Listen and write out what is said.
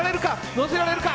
乗せられるか？